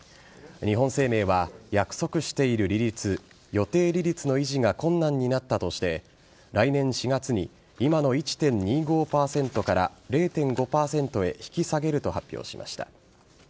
日本生命は約束している利率予定利率の維持が困難になったとして来年４月に今の１．２５％から０．５％へ引き下げると発表しました。